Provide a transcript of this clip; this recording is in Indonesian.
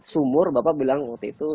sumur bapak bilang waktu itu